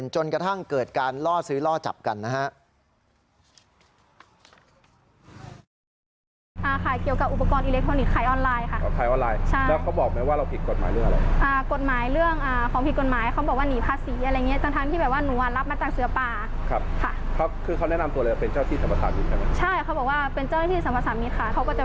จนกระทั่งเกิดการล่อซื้อล่อจับกันนะฮะ